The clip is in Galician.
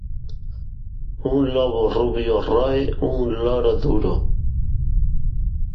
Un lobo rubio roe un loro duro.